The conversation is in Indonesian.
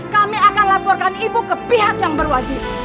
kami akan laporkan ibu ke pihak yang berwajib